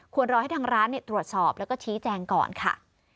รอให้ทางร้านตรวจสอบแล้วก็ชี้แจงก่อนค่ะ